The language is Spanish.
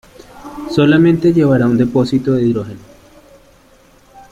Solamente llevará un depósito de hidrógeno.